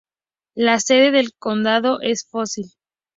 La sede del condado es Fossil.